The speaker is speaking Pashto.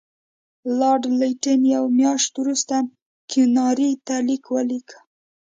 لارډ لیټن یوه میاشت وروسته کیوناري ته لیک ولیکه.